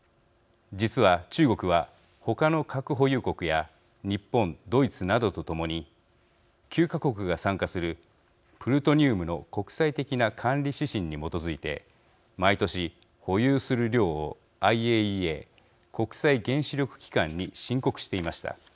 実は中国は他の核保有国や日本ドイツなどと共に９か国が参加するプルトニウムの国際的な管理指針に基づいて毎年保有する量をＩＡＥＡ国際原子力機関に申告していました。